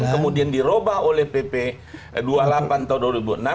kemudian dirubah oleh pp dua puluh delapan tahun dua ribu enam